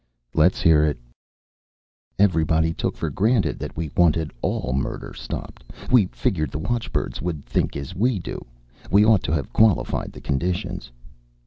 "Let's hear it." "Everybody took it for granted that we wanted all murder stopped. We figured the watchbirds would think as we do. We ought to have qualified the conditions."